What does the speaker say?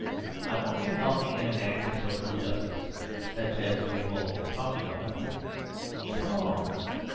I want you to help me in an act of social justice, such as we've all been talking about. Come along!